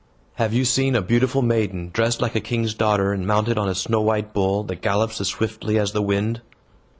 "Have you seen a beautiful maiden, dressed like a king's daughter, and mounted on a snow white bull, that gallops as swiftly as the wind?"